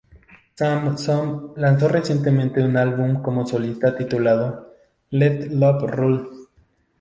Sampson lanzó recientemente un álbum como solista titulado ""Let Love Rule.